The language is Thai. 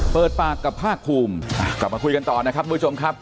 เปิดปากกับภาคคุมอ่ากลับมาคุยกันต่อนะครับมือชมครับ